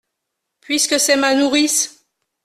Puisque c’est ma nourrice.